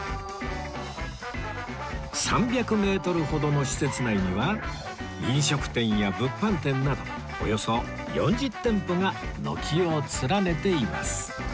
３００メートルほどの施設内には飲食店や物販店などおよそ４０店舗が軒を連ねています